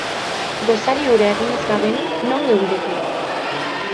Gosari hura egin ez bagenu, non geundeke?